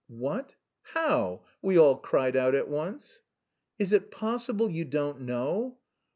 "What? How?" we all cried out at once. "Is it possible you don't know?